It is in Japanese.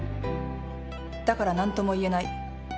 だから何とも言えない。